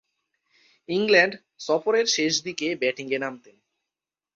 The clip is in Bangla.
ইংল্যান্ড সফরের শেষদিকে ব্যাটিংয়ে নামতেন।